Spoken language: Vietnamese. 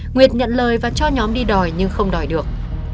nguyệt nhận lời và cho nhóm đi đòi nhưng không đòi được